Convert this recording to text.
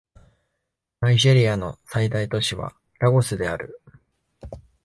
ナイジェリアの最大都市はラゴスである